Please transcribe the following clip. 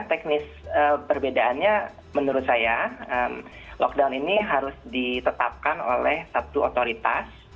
teknis perbedaannya menurut saya lockdown ini harus ditetapkan oleh satu otoritas